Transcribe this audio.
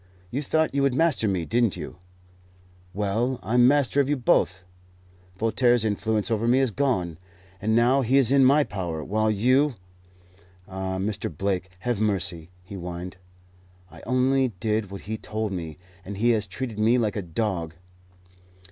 "You thought you would master me, didn't you?" "Well, I'm master of you both. Voltaire's influence over me is gone, and now he is in my power; while you " "Ah, Mr. Blake, have mercy," he whined. "I only did what he told me, and he has treated me like a dog."